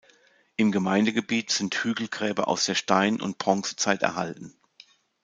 Im Gemeindegebiet sind Hügelgräber aus der Stein- und Bronzezeit erhalten.